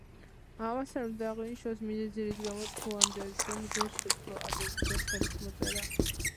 ამასთან, უნდა აღინიშნოს მიზეზი, რის გამოც მოანდერძემ ვერ შეძლო ანდერძზე ხელის მოწერა.